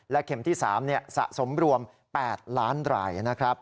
และเข็มที่๓สะสมรวม๘ล้านราย